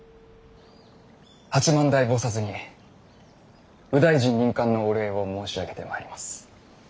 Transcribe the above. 八幡大菩薩に右大臣任官のお礼を申し上げてまいります。